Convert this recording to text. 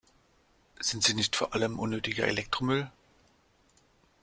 Sind sie nicht vor allem unnötiger Elektromüll?